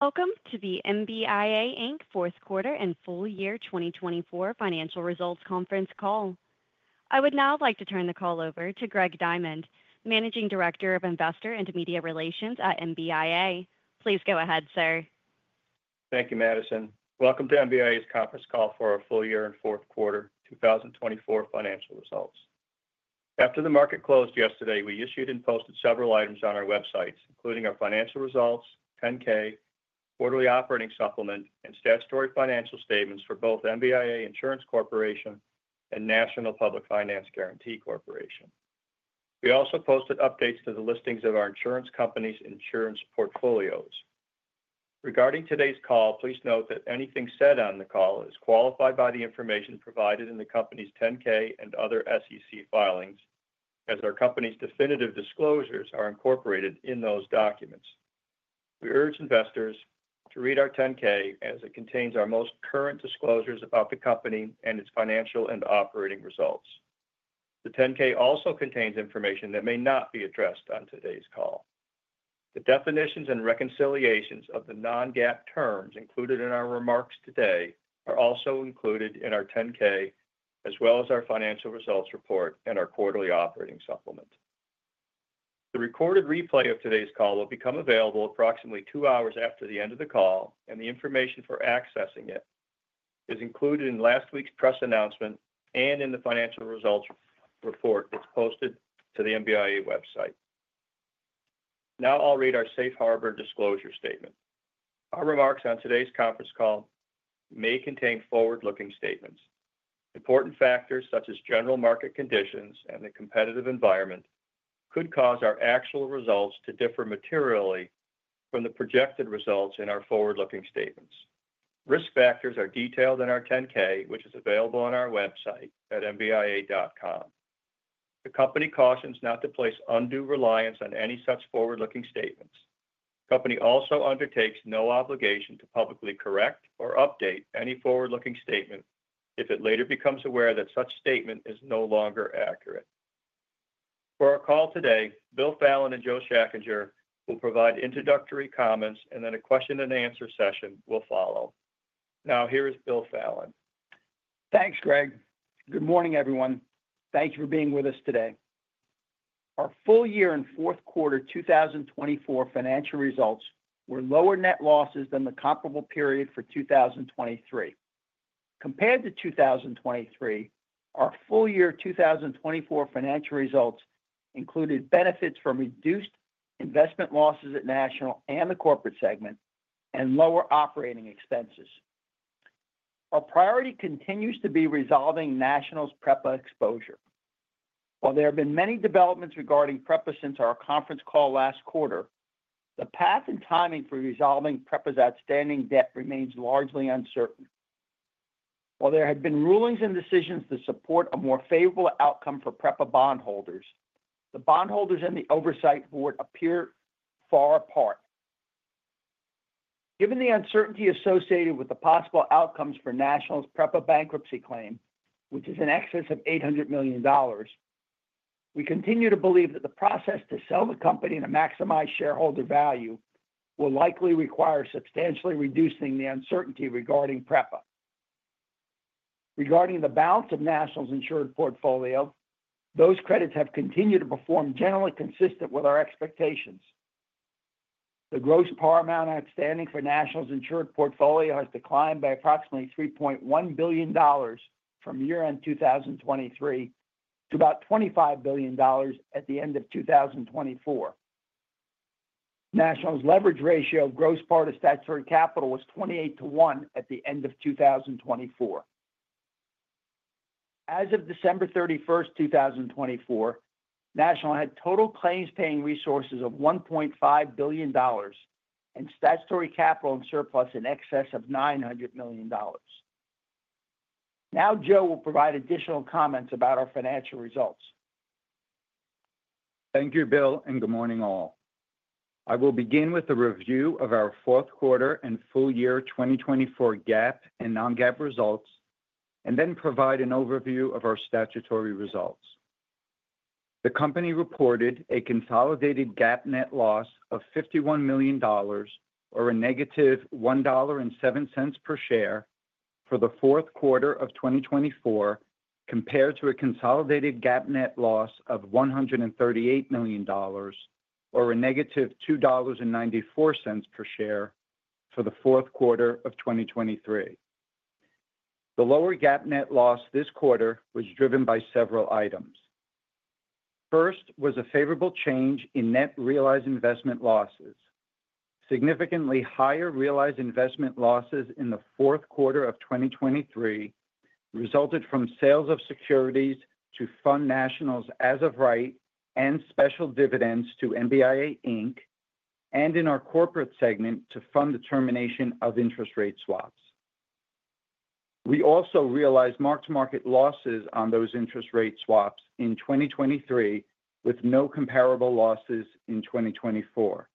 Welcome to the MBIA fourth quarter and full year 2024 financial results conference call. I would now like to turn the call over to Greg Diamond, Managing Director of Investor and Media Relations at MBIA. Please go ahead, sir. Thank you, Madison. Welcome to MBIA's conference call for our full year and fourth quarter 2024 financial results. After the market closed yesterday, we issued and posted several items on our website, including our financial results, 10-K, quarterly operating supplement, and statutory financial statements for both MBIA Insurance Corporation and National Public Finance Guarantee Corporation. We also posted updates to the listings of our insurance companies' insurance portfolios. Regarding today's call, please note that anything said on the call is qualified by the information provided in the company's 10-K and other SEC filings, as our company's definitive disclosures are incorporated in those documents. We urge investors to read our 10-K, as it contains our most current disclosures about the company and its financial and operating results. The 10-K also contains information that may not be addressed on today's call. The definitions and reconciliations of the non-GAAP terms included in our remarks today are also included in our 10-K, as well as our financial results report and our quarterly operating supplement. The recorded replay of today's call will become available approximately two hours after the end of the call, and the information for accessing it is included in last week's press announcement and in the financial results report that is posted to the MBIA website. Now I'll read our Safe Harbor Disclosure Statement. Our remarks on today's conference call may contain forward-looking statements. Important factors such as general market conditions and the competitive environment could cause our actual results to differ materially from the projected results in our forward-looking statements. Risk factors are detailed in our 10-K, which is available on our website at mbia.com. The company cautions not to place undue reliance on any such forward-looking statements. The company also undertakes no obligation to publicly correct or update any forward-looking statement if it later becomes aware that such statement is no longer accurate. For our call today, Will Fallon and Joe Schachinger will provide introductory comments, and then a question-and-answer session will follow. Now, here is Will Fallon. Thanks, Greg. Good morning, everyone. Thank you for being with us today. Our full year and fourth quarter 2024 financial results were lower net losses than the comparable period for 2023. Compared to 2023, our full year 2024 financial results included benefits from reduced investment losses at National and the corporate segment and lower operating expenses. Our priority continues to be resolving National's PREPA exposure. While there have been many developments regarding PREPA since our conference call last quarter, the path and timing for resolving PREPA's outstanding debt remains largely uncertain. While there have been rulings and decisions to support a more favorable outcome for PREPA bondholders, the bondholders and the oversight board appear far apart. Given the uncertainty associated with the possible outcomes for National's PREPA bankruptcy claim, which is in excess of $800 million, we continue to believe that the process to sell the company to maximize shareholder value will likely require substantially reducing the uncertainty regarding PREPA. Regarding the balance of National's insured portfolio, those credits have continued to perform generally consistent with our expectations. The gross par amount outstanding for National's insured portfolio has declined by approximately $3.1 billion from year-end 2023 to about $25 billion at the end of 2024. National's leverage ratio of gross par to statutory capital was 28 to 1 at the end of 2024. As of December 31st, 2024, National had total claims-paying resources of $1.5 billion and statutory capital and surplus in excess of $900 million. Now, Joe will provide additional comments about our financial results. Thank you, Will, and good morning, all. I will begin with the review of our fourth quarter and full year 2024 GAAP and non-GAAP results, and then provide an overview of our statutory results. The company reported a consolidated GAAP net loss of $51 million, or a -$1.07 per share for the fourth quarter of 2024, compared to a consolidated GAAP net loss of $138 million, or a -$2.94 per share for the fourth quarter of 2023. The lower GAAP net loss this quarter was driven by several items. First was a favorable change in net realized investment losses. Significantly higher realized investment losses in the fourth quarter of 2023 resulted from sales of securities to fund National's as-of-right and special dividends to MBIA Inc and in our corporate segment to fund the termination of interest rate swaps. We also realized mark-to-market losses on those interest rate swaps in 2023, with no comparable losses in 2024.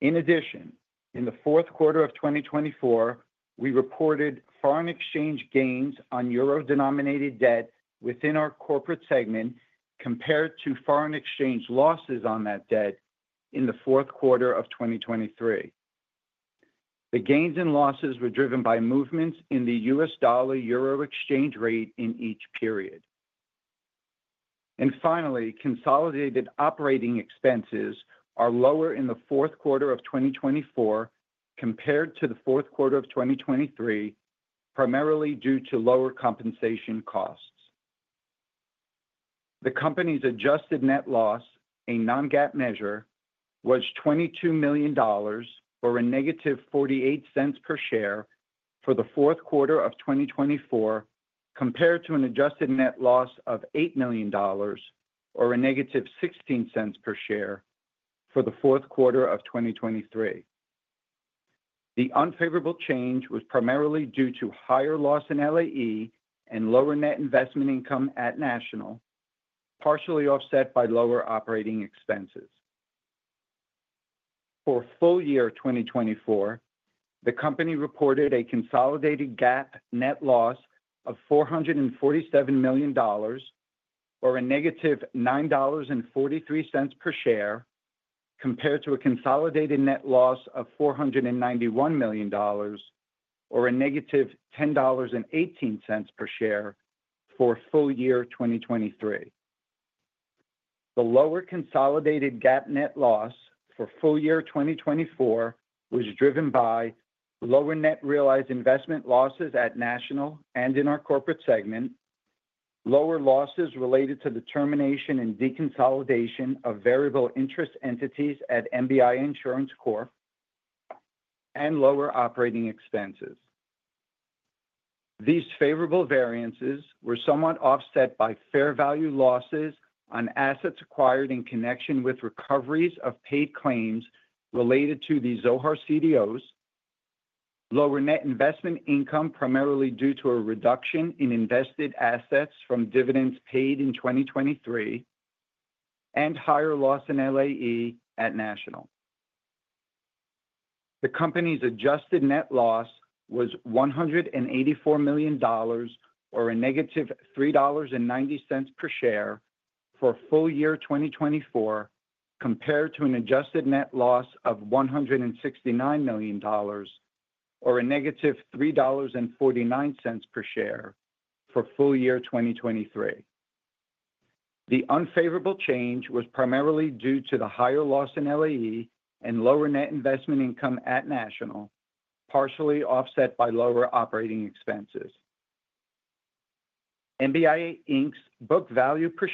In addition, in the fourth quarter of 2024, we reported foreign exchange gains on euro-denominated debt within our corporate segment compared to foreign exchange losses on that debt in the fourth quarter of 2023. The gains and losses were driven by movements in the U.S. dollar/euro exchange rate in each period. Finally, consolidated operating expenses are lower in the fourth quarter of 2024 compared to the fourth quarter of 2023, primarily due to lower compensation costs. The company's adjusted net loss, a non-GAAP measure, was $22 million, or a -$0.48 per share for the fourth quarter of 2024, compared to an adjusted net loss of $8 million, or a -$0.16 per share for the fourth quarter of 2023. The unfavorable change was primarily due to higher loss in LAE and lower net investment income at National, partially offset by lower operating expenses. For full year 2024, the company reported a consolidated GAAP net loss of $447 million, or a -$9.43 per share, compared to a consolidated net loss of $491 million, or a -$10.18 per share for full year 2023. The lower consolidated GAAP net loss for full year 2024 was driven by lower net realized investment losses at National and in our corporate segment, lower losses related to the termination and deconsolidation of variable interest entities at MBIA Insurance Corp, and lower operating expenses. These favorable variances were somewhat offset by fair value losses on assets acquired in connection with recoveries of paid claims related to the Zohar CDOs, lower net investment income primarily due to a reduction in invested assets from dividends paid in 2023, and higher loss in LAE at National. The company's adjusted net loss was $184 million, or a -$3.90 per share for full year 2024, compared to an adjusted net loss of $169 million, or a -$3.49 per share for full year 2023. The unfavorable change was primarily due to the higher loss in LAE and lower net investment income at National, partially offset by lower operating expenses. MBIA Inc's book value per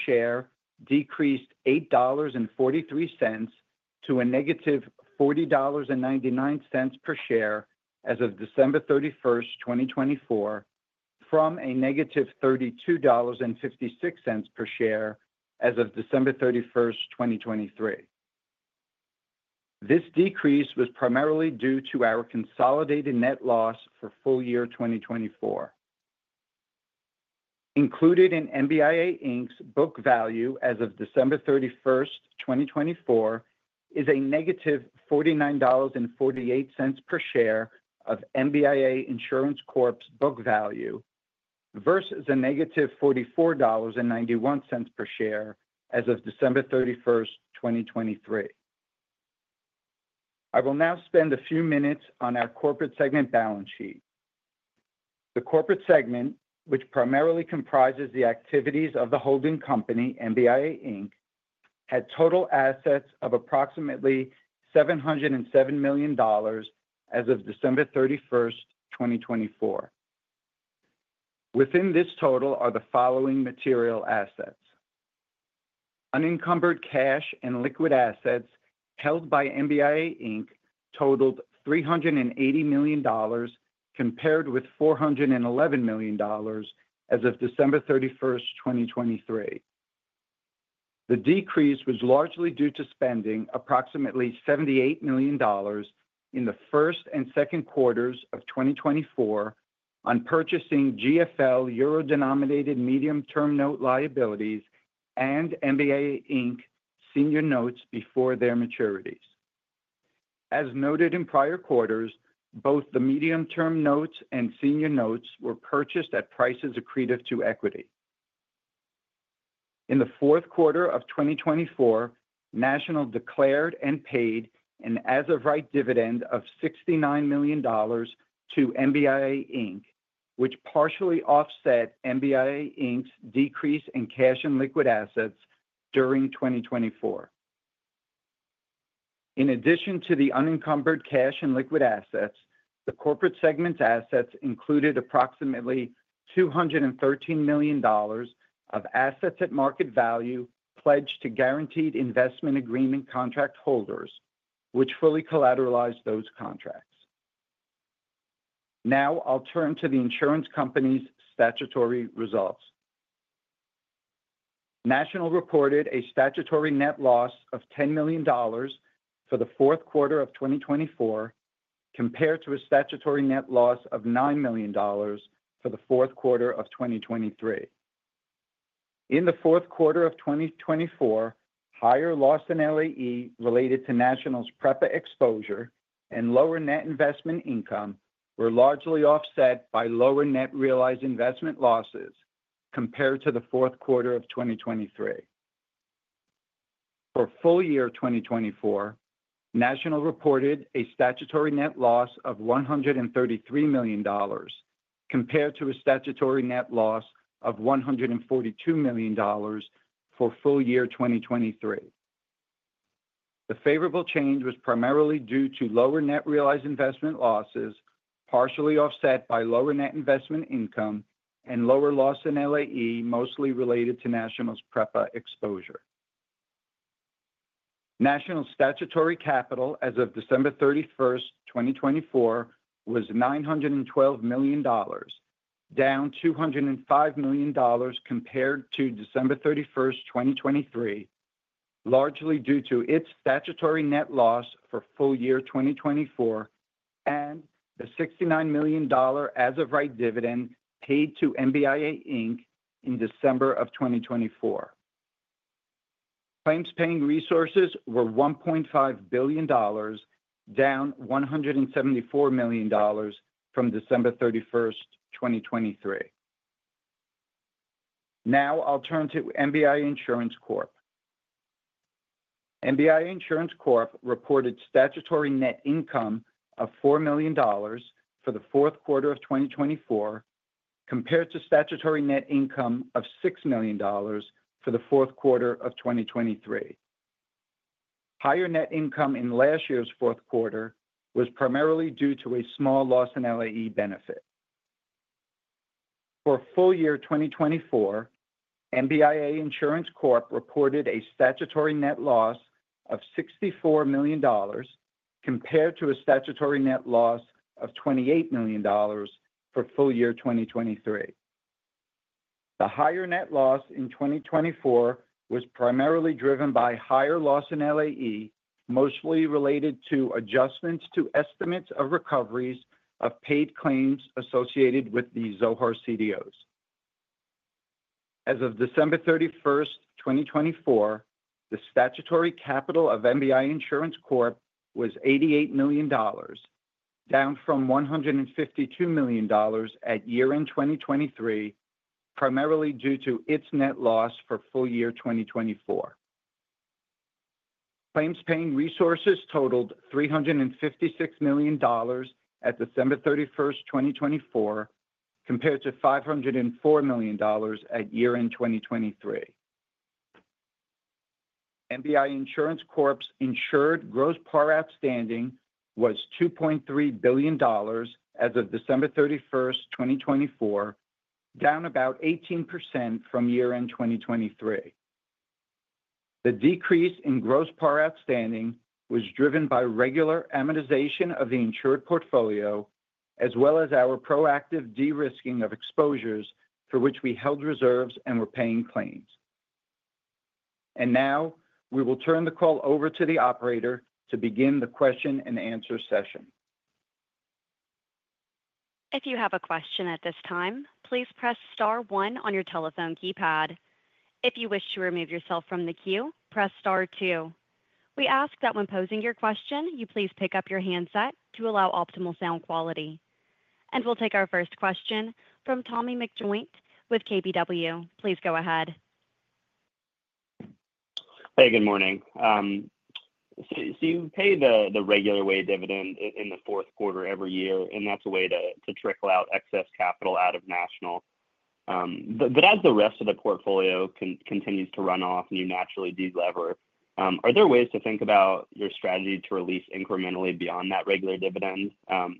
share decreased $8.43 to a -$40.99 per share as of December 31st, 2024, from a -$32.56 per share as of December 31st, 2023. This decrease was primarily due to our consolidated net loss for full year 2024. Included in MBIA Inc's book value as of December 31st, 2024, is a -$49.48 per share of MBIA Insurance Corp's book value versus a -$44.91 per share as of December 31st, 2023. I will now spend a few minutes on our corporate segment balance sheet. The corporate segment, which primarily comprises the activities of the holding company, MBIA Inc, had total assets of approximately $707 million as of December 31st, 2024. Within this total are the following material assets: unencumbered cash and liquid assets held by MBIA Inc totaled $380 million compared with $411 million as of December 31st, 2023. The decrease was largely due to spending approximately $78 million in the first and second quarters of 2024 on purchasing GFL euro-denominated medium-term note liabilities and MBIA Inc senior notes before their maturities. As noted in prior quarters, both the medium-term notes and senior notes were purchased at prices accretive to equity. In the fourth quarter of 2024, National declared and paid an as-of-right dividend of $69 million to MBIA Inc, which partially offset MBIA Inc's decrease in cash and liquid assets during 2024. In addition to the unencumbered cash and liquid assets, the corporate segment's assets included approximately $213 million of assets at market value pledged to guaranteed investment agreement contract holders, which fully collateralized those contracts. Now I'll turn to the insurance company's statutory results. National reported a statutory net loss of $10 million for the fourth quarter of 2024 compared to a statutory net loss of $9 million for the fourth quarter of 2023. In the fourth quarter of 2024, higher loss and LAE related to National's PREPA exposure and lower net investment income were largely offset by lower net realized investment losses compared to the fourth quarter of 2023. For full year 2024, National reported a statutory net loss of $133 million compared to a statutory net loss of $142 million for full year 2023. The favorable change was primarily due to lower net realized investment losses partially offset by lower net investment income and lower loss and LAE mostly related to National's PREPA exposure. National's statutory capital as of December 31st, 2024, was $912 million, down $205 million compared to December 31st, 2023, largely due to its statutory net loss for full year 2024 and the $69 million as-of-right dividend paid to MBIA Inc in December of 2024. Claims-paying resources were $1.5 billion, down $174 million from December 31st, 2023. Now I'll turn to MBIA Insurance Corp. MBIA Insurance Corp reported statutory net income of $4 million for the fourth quarter of 2024 compared to statutory net income of $6 million for the fourth quarter of 2023. Higher net income in last year's fourth quarter was primarily due to a small loss in LAE benefit. For full year 2024, MBIA Insurance Corp reported a statutory net loss of $64 million compared to a statutory net loss of $28 million for full year 2023. The higher net loss in 2024 was primarily driven by higher loss in LAE mostly related to adjustments to estimates of recoveries of paid claims associated with the Zohar CDOs. As of December 31st, 2024, the statutory capital of MBIA Insurance Corp was $88 million, down from $152 million at year-end 2023, primarily due to its net loss for full year 2024. Claims-paying resources totaled $356 million at December 31st, 2024, compared to $504 million at year-end 2023. MBIA Insurance Corp's insured gross par outstanding was $2.3 billion as of December 31st, 2024, down about 18% from year-end 2023. The decrease in gross par outstanding was driven by regular amortization of the insured portfolio, as well as our proactive de-risking of exposures for which we held reserves and were paying claims. We will now turn the call over to the operator to begin the question-and-answer session. If you have a question at this time, please press star one on your telephone keypad. If you wish to remove yourself from the queue, press star two. We ask that when posing your question, you please pick up your handset to allow optimal sound quality. We will take our first question from Tommy McJoynt with KBW. Please go ahead. Hey, good morning. You pay the regular way dividend in the fourth quarter every year, and that's a way to trickle out excess capital out of National. As the rest of the portfolio continues to run off and you naturally de-lever, are there ways to think about your strategy to release incrementally beyond that regular dividend?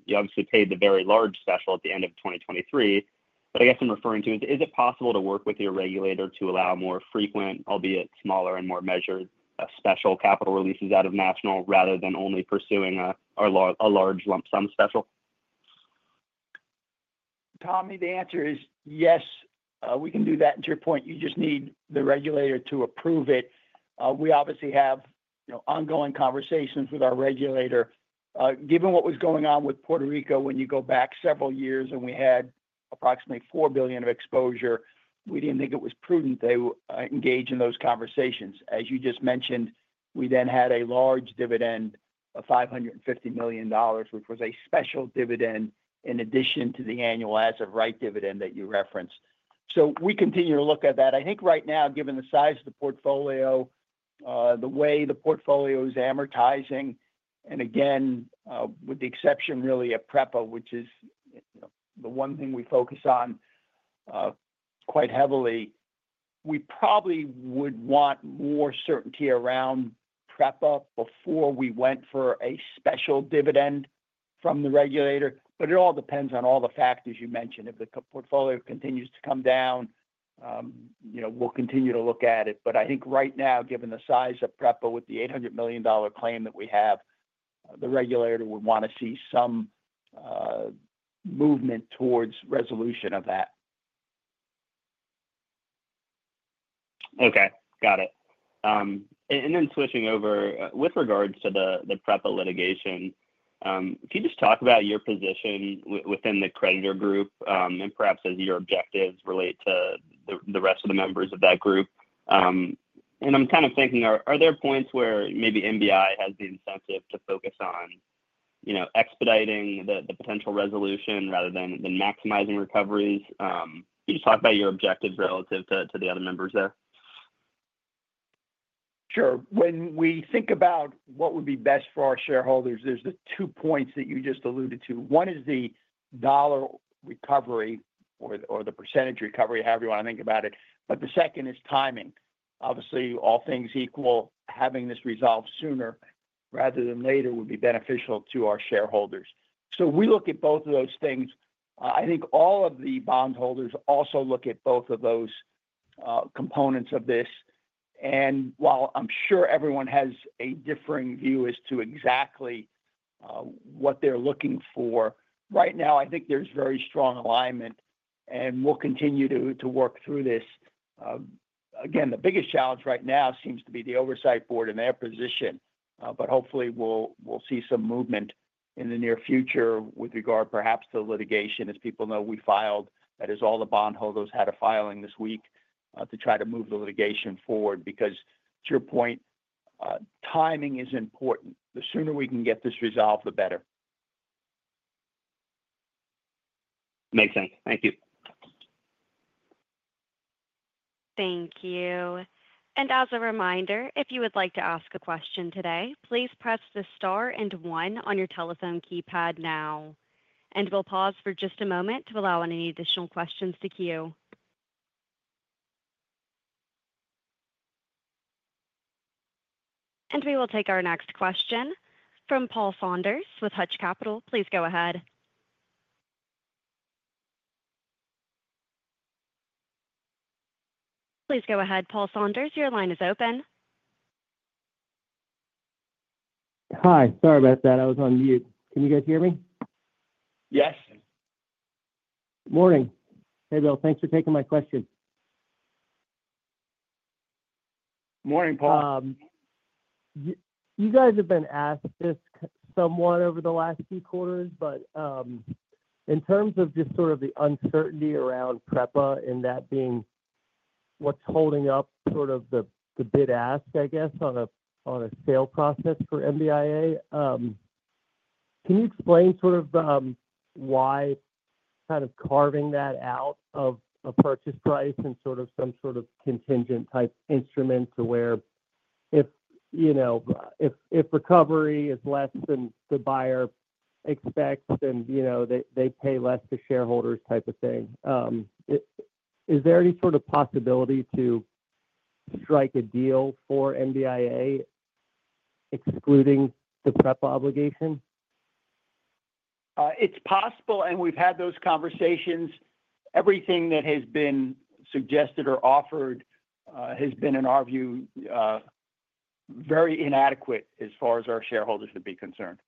You obviously paid the very large special at the end of 2023, but I guess I'm referring to is it possible to work with your regulator to allow more frequent, albeit smaller and more measured special capital releases out of National rather than only pursuing a large lump sum special? Tommy, the answer is yes. We can do that. To your point, you just need the regulator to approve it. We obviously have ongoing conversations with our regulator. Given what was going on with Puerto Rico when you go back several years and we had approximately $4 billion of exposure, we did not think it was prudent to engage in those conversations. As you just mentioned, we then had a large dividend of $550 million, which was a special dividend in addition to the annual as-of-right dividend that you referenced. We continue to look at that. I think right now, given the size of the portfolio, the way the portfolio is amortizing, and again, with the exception really of PREPA, which is the one thing we focus on quite heavily, we probably would want more certainty around PREPA before we went for a special dividend from the regulator. It all depends on all the factors you mentioned. If the portfolio continues to come down, we'll continue to look at it. I think right now, given the size of PREPA with the $800 million claim that we have, the regulator would want to see some movement towards resolution of that. Okay. Got it. Switching over with regards to the PREPA litigation, can you just talk about your position within the creditor group and perhaps as your objectives relate to the rest of the members of that group? I'm kind of thinking, are there points where maybe MBIA has the incentive to focus on expediting the potential resolution rather than maximizing recoveries? Can you just talk about your objectives relative to the other members there? Sure. When we think about what would be best for our shareholders, there's the two points that you just alluded to. One is the dollar recovery or the percentage recovery, however you want to think about it. The second is timing. Obviously, all things equal, having this resolved sooner rather than later would be beneficial to our shareholders. We look at both of those things. I think all of the bondholders also look at both of those components of this. While I'm sure everyone has a differing view as to exactly what they're looking for, right now, I think there's very strong alignment, and we'll continue to work through this. The biggest challenge right now seems to be the oversight board and their position, but hopefully we'll see some movement in the near future with regard perhaps to litigation. As people know, we filed, that is, all the bondholders had a filing this week to try to move the litigation forward because, to your point, timing is important. The sooner we can get this resolved, the better. Makes sense. Thank you. Thank you. As a reminder, if you would like to ask a question today, please press the star and one on your telephone keypad now. We will pause for just a moment to allow any additional questions to queue. We will take our next question from Paul Saunders with Hutch Capital. Please go ahead. Please go ahead, Paul Saunders. Your line is open. Hi. Sorry about that. I was on mute. Can you guys hear me? Yes. Morning. Hey, Will. Thanks for taking my question. Morning, Paul. You guys have been asked this somewhat over the last few quarters, but in terms of just sort of the uncertainty around PREPA and that being what's holding up sort of the bid-asked, I guess, on a sale process for MBIA, can you explain sort of why kind of carving that out of a purchase price and sort of some sort of contingent type instrument to where if recovery is less than the buyer expects and they pay less to shareholders type of thing? Is there any sort of possibility to strike a deal for MBIA excluding the PREPA obligation? It's possible, and we've had those conversations. Everything that has been suggested or offered has been, in our view, very inadequate as far as our shareholders would be concerned.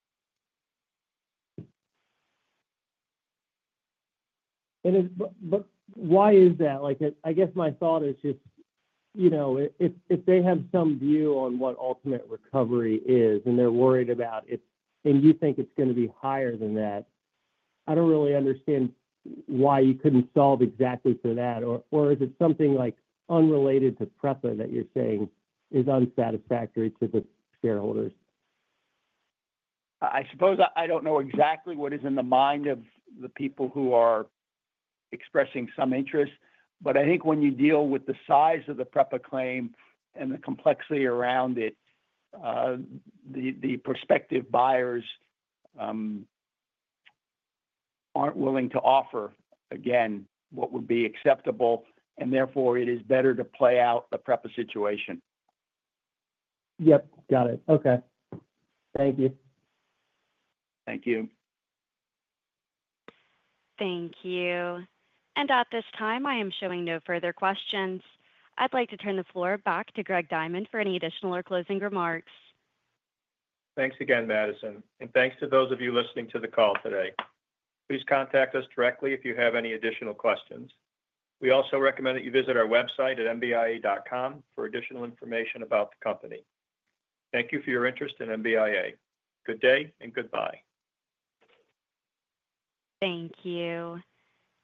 Why is that? I guess my thought is just if they have some view on what ultimate recovery is and they're worried about it and you think it's going to be higher than that, I don't really understand why you couldn't solve exactly for that. Or is it something unrelated to PREPA that you're saying is unsatisfactory to the shareholders? I suppose I don't know exactly what is in the mind of the people who are expressing some interest, but I think when you deal with the size of the PREPA claim and the complexity around it, the prospective buyers aren't willing to offer, again, what would be acceptable, and therefore it is better to play out the PREPA situation. Yep. Got it. Okay. Thank you. Thank you. Thank you. At this time, I am showing no further questions. I would like to turn the floor back to Greg Diamond for any additional or closing remarks. Thanks again, Madison. Thanks to those of you listening to the call today. Please contact us directly if you have any additional questions. We also recommend that you visit our website at mbia.com for additional information about the company. Thank you for your interest in MBIA. Good day and goodbye. Thank you.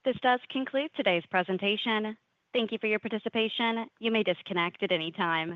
This does conclude today's presentation. Thank you for your participation. You may disconnect at any time.